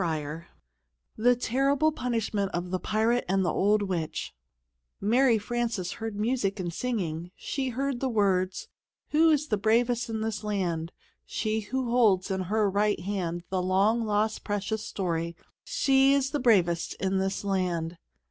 IX THE TERRIBLE PUNISHMENT OF THE PIRATE AND THE OLD WITCH MARY FRANCES heard music and singing. She heard the words: Who's the bravest in this land? She who holds in her right hand The long lost precious story; She's the bravest in this land.